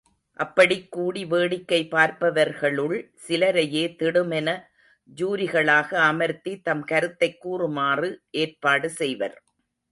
அப்படிக் கூடி வேடிக்கை பார்ப்பவர்களுள் சிலரையே திடுமென ஜூரிகளாக அமர்த்தி தம் கருத்தைக் கூறுமாறு ஏற்பாடு செய்வர்.